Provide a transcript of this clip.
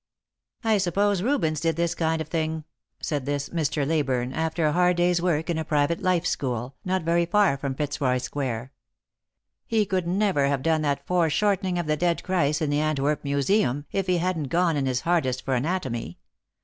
" I suppose Rubens did this kind of thing," said this Mr. Leyburne, after a hard day's work in a private life school, not very far from Fitzroy square. " He could never have done that foreshortening of the dead Christ in the Antwerp Musuem if he hadn't gone in his hardest for anatomy.